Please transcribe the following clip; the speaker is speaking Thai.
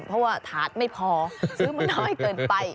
เพราะว่าถาดไม่พอซื้อมาน้อยเกินไป